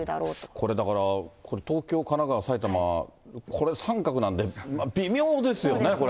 これ、だから、東京、神奈川、埼玉、これ三角なんで、微妙ですよね、これ。